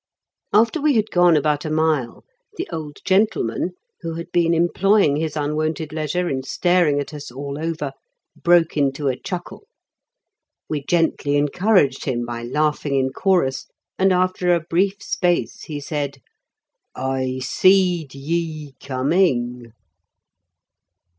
After we had gone about a mile the old gentleman, who had been employing his unwonted leisure in staring at us all over, broke into a chuckle. We gently encouraged him by laughing in chorus, and after a brief space he said, _"I seed ye coming."